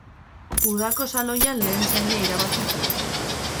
Udako Saloian lehen saria irabazi zuen.